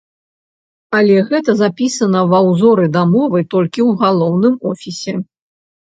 Але гэта запісана ва ўзоры дамовы толькі ў галаўным офісе.